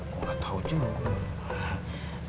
kok gak tau juga